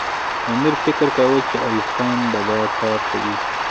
امیر فکر کاوه چې ایوب خان به دا کار کوي.